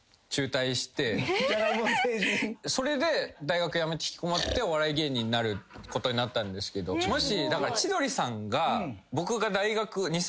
それで大学辞めて引きこもってお笑い芸人になることになったんですけどもし。